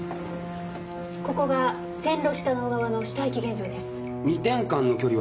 ここが線路下の小川の死体遺棄現場です。